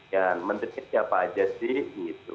ya menurutnya siapa aja sih